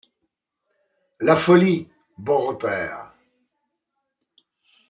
La Folie, Beaurepaire.